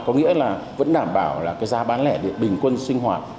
có nghĩa là vẫn đảm bảo là cái giá bán lẻ điện bình quân sinh hoạt